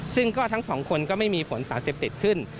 ซึ่งก็ทั้งสองคนก็ไม่มีผลสารเสพติดขึ้น